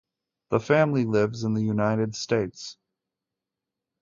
The family lives in the United States.